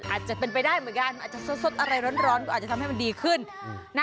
อาจจะเป็นไปได้เหมือนกันมันอาจจะสดอะไรร้อนก็อาจจะทำให้มันดีขึ้น